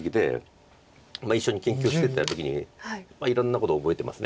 一緒に研究してた時にいろんなこと覚えてます